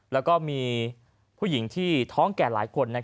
แล้วก็มีผู้หญิงที่ท้องแก่หลายคน